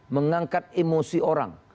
mengangkat emosi orang